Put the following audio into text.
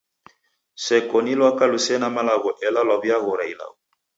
Seko ni lwaka lusene malagho ela lwaw'iaghora ilagho.